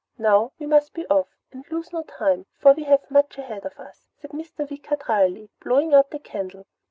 "Now we must be off and lose no time, for we have much ahead of us," said Mr. Wicker drily, blowing out the candle.